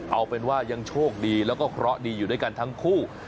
เอาเป็นว่ายังโชคดีแล้วก็เคราะห์ดีอยู่ด้วยกันทั้งคู่